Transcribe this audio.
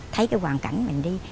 thấy cái hoàn cảnh mình đi